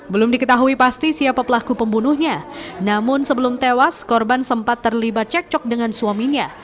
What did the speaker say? belum diketahui pasti siapa pelaku pembunuhnya namun sebelum tewas korban sempat terlibat cekcok dengan suaminya